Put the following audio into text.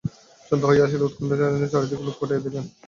সন্ধ্যা হইয়া আসিলে উৎকন্ঠিত জননী চারি দিকে লোক পাঠাইয়া দিলেন।